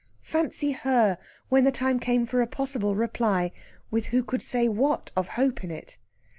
Fancy her when the time came for a possible reply, with who could say what of hope in it!